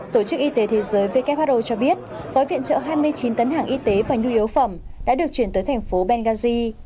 tổ chức y tế thế giới who cho biết gói viện trợ hai mươi chín tấn hàng y tế và nhu yếu phẩm đã được chuyển tới thành phố benghazi